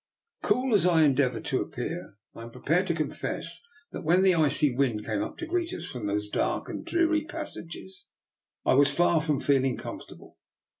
Cool as I endeavoured to appear, I am prepared to confess that, when the icy wind came up to greet us from those dark and dreary passages, I was far from feeling com fortable.